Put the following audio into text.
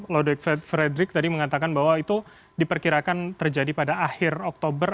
laudeg frederick tadi mengatakan bahwa itu diperkirakan terjadi pada akhir oktober